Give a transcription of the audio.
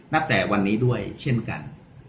ณแต่วันนี้ด้วยเช่นกัน